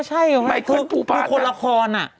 ไม่ค่อยปูปาซา